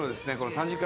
３時間